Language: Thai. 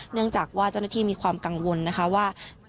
เนื่องจากว่าเจ้าหน้าที่มีความกังวลนะคะว่า